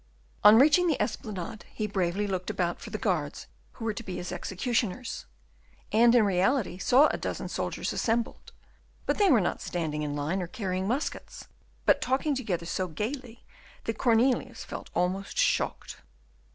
On reaching the Esplanade, he bravely looked about for the guards who were to be his executioners, and in reality saw a dozen soldiers assembled. But they were not standing in line, or carrying muskets, but talking together so gayly that Cornelius felt almost shocked.